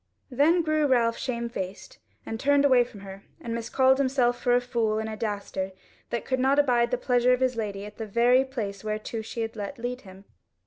Then grew Ralph shamefaced and turned away from her, and miscalled himself for a fool and a dastard that could not abide the pleasure of his lady at the very place whereto she had let lead him.